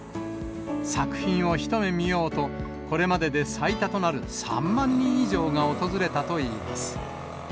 作品を一目見ようと、これまでで最多となる３万人以上が訪れたといいます。